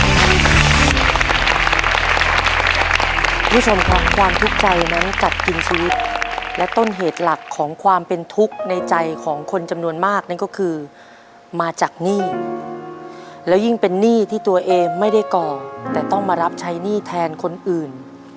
คุณผู้ชมครับความทุกข์ใจนั้นกลับกินชีวิตและต้นเหตุหลักของความเป็นทุกข์ในใจของคนจำนวนมากนั่นก็คือมาจากหนี้แล้วยิ่งเป็นหนี้ที่ตัวเองไม่ได้ก่อแต่ต้องมารับใช้หนี้แทนคนอื่น